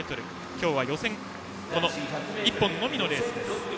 今日は予選１本のみのレース。